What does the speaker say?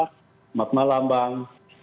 selamat malam bang